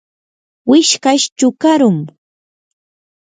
wishkash chukarum.